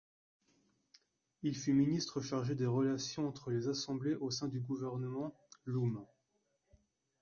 Il fut ministre chargé des relations entre les assemblées au sein du gouvernement Loum.